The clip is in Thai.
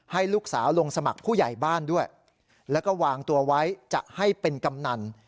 ให้ลูกสาวลงสมัครผู้ใหญ่บ้านด้วยแล้วก็วางตัวไว้จะให้เป็นกำนัน